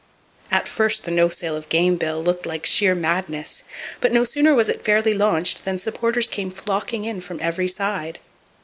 At first the no sale of game bill looked like sheer madness, but no sooner was it fairly launched than supporters came flocking in from every side.